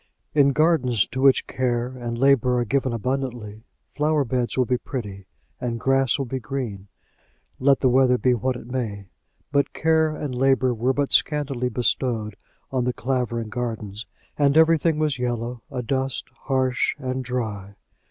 In gardens to which care and labour are given abundantly, flower beds will be pretty, and grass will be green, let the weather be what it may; but care and labour were but scantily bestowed on the Clavering Gardens, and everything was yellow, adust, harsh, and dry.